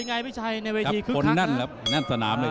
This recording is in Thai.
คนนั่นครับนั่นสนามเลย